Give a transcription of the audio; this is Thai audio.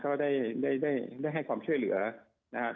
ก็ได้ให้ความช่วยเหลือนะครับ